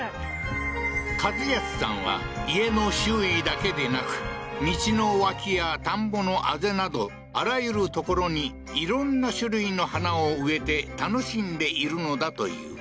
一康さんは、家の周囲だけでなく、道の脇や田んぼのあぜなど、あらゆるところに、いろんな種類の花を植えて楽しんでいるのだという。